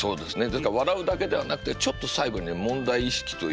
笑うだけではなくてちょっと最後にね問題意識というか。